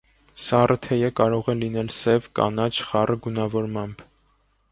Սառը թեյը կարող է լինել սև, կանաչ, խառը գունավորմամբ։